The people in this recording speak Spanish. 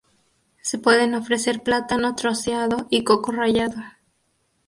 Se pueden ofrecer plátano troceado y coco rallado.